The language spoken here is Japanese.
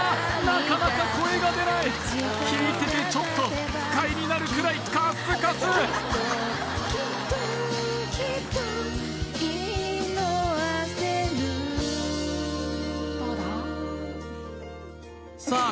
なかなか声が出ない聴いててちょっと不快になるくらいカッスカスさあ